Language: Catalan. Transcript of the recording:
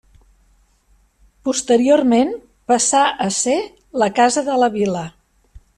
Posteriorment passà a ser la casa de la Vila.